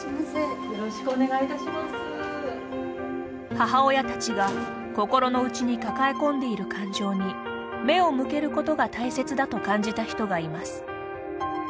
母親たちが心の内に抱え込んでいる感情に目を向けることが大切だと感じた人がいます。